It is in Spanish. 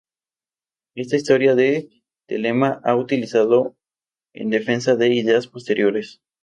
Esta historia de Thelema ha sido utilizada en defensa de ideas posteriores.